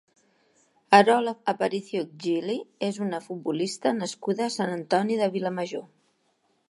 Arola Aparicio Gili és una futbolista nascuda a Sant Antoni de Vilamajor.